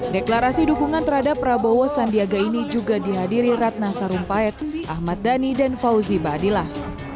deklarasi dukungan terhadap prabowo sandiaga ini juga dihadiri ratna sarumpait ahmad dhani dan fauzi baadillah